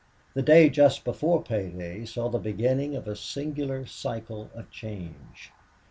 The day just before pay day saw the beginning of a singular cycle of change.